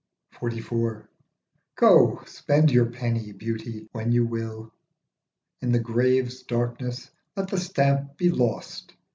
XLIV. GO, spend your penny, Beauty, when you will, In the grave's darkness let the stamp be lost.